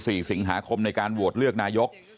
สี่สิงหาคมในการโหวตเลือกนายก